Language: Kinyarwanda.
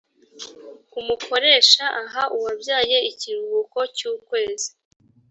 umukoresha aha uwabyaye ikiruhuko cy’ukwezi